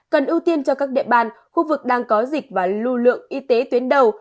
cần ưu tiên cho các địa bàn khu vực đang có dịch và lưu lượng y tế tuyến đầu